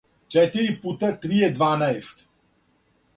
четири пута три је дванаест